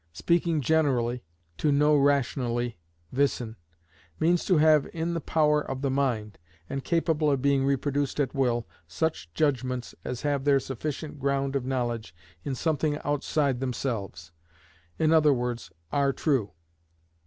Speaking generally, to know rationally (wissen) means to have in the power of the mind, and capable of being reproduced at will, such judgments as have their sufficient ground of knowledge in something outside themselves, i.e., are true.